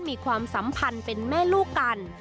ความสัมพันธ์เป็นแม่ลูกกัน